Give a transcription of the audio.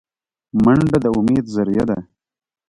منډه د امید ذریعه ده